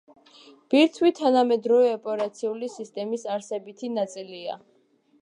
ბირთვი თანამედროვე ოპერაციული სისტემების არსებითი ნაწილია.